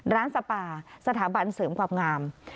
สปาสถาบันเสริมความงาม